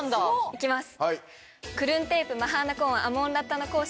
いきます。